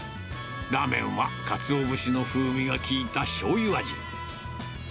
ラーメンはかつお節の風味が効いたしょうゆ味。